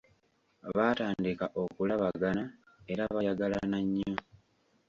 Baatandika okulabagana era bayagalana nnyo .